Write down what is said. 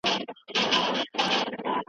دروني ځواک مو له ستونزو ژغوري.